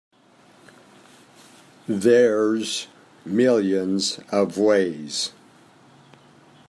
There's millions of ways.